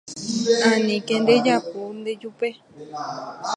Aníke ndejapu ndejupe